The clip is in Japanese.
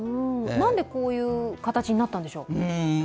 何でこういう形になったんでしょう？